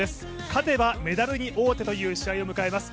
勝てばメダルに王手という試合を迎えます。